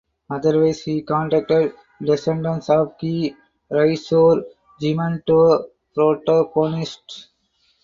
Otherwise he contacted descendants of key Risorgimento protagonists.